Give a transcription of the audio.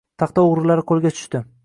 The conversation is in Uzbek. Taxta oʻgʻrilari qoʻlga tushdi.